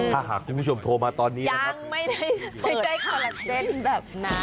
ถ้าหากคุณผู้ชมโทรมาตอนนี้ยังไม่ได้คอลลาเจนแบบนั้น